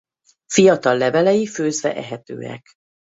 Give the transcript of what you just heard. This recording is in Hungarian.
Fiatal levelei főzve ehetőek.